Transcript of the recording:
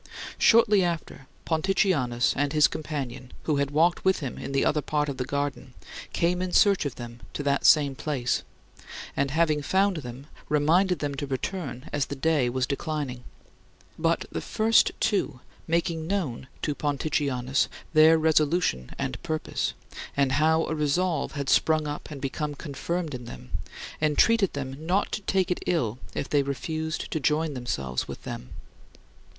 Shortly after, Ponticianus and his companion, who had walked with him in the other part of the garden, came in search of them to the same place, and having found them reminded them to return, as the day was declining. But the first two, making known to Ponticianus their resolution and purpose, and how a resolve had sprung up and become confirmed in them, entreated them not to take it ill if they refused to join themselves with them.